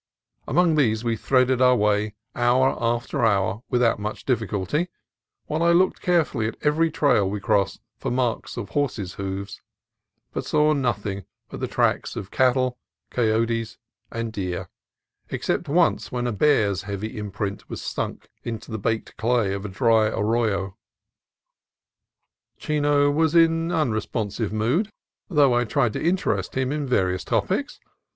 Among these we threaded our way hour after hour without much difficulty, while I looked carefully at every trail we crossed for marks of horses' hoofs, but saw nothing but the tracks of cattle, coyotes, and deer, except once where a bear's heavy imprint was sunk in the baked clay of a dry arroyo. Chino was in unresponsive mood, though I tried to interest him in various topics.